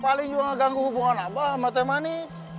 paling juga ganggu hubungan abang sama temani